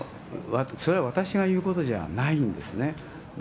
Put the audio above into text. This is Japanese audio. それは私が言うことじゃないんですね。